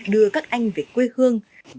đưa các anh về quê hương